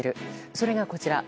それが、こちら。